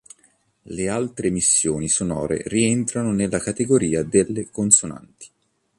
Le altre emissioni sonore rientrano nella categoria delle consonanti.